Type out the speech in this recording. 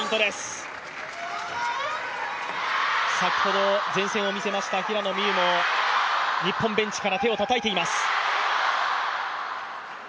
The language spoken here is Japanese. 先ほど、善戦を見せました平野美宇も日本ベンチから手をたたいています。